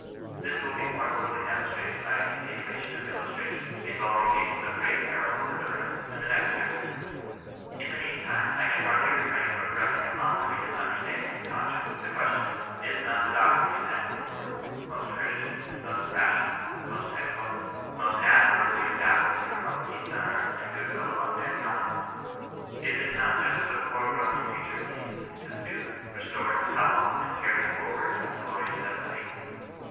This will be more fully demonstrated by a continuation of illustrations involving cases of greater peril and de liverance, in the next chapter. In the mean time I can hardly refrain from pressing upon the reader's under standing and conscience, the question, — Is not the doc trine contended for, most Christian, most rational, most excellent, most admirably adapted to promote peace on earth and good will among mankind ? Is it not just what poor groaning nature needs, to soothe, restore it to health, and carry it forward to its glorious destiny?